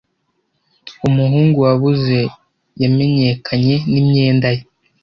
Umuhungu wabuze yamenyekanye n imyenda ye.